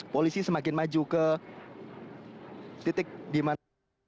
polisi semakin maju ke titik di mana